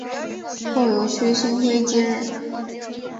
后由薛星辉接任。